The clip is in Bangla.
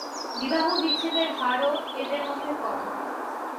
বিবাহ বিচ্ছেদের হারও এদের মধ্যে কম।